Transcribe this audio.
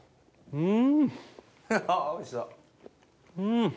うん！